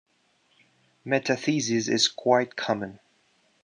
Metathesis is quite common.